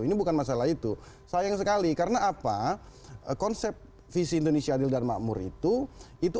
ini bukan masalah itu sayang sekali karena apa konsep visi indonesia adil dan makmur itu itu